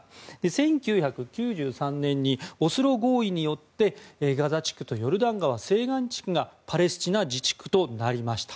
１９９３年にオスロ合意によってガザ地区とヨルダン川西岸地区がパレスチナ自治区となりました。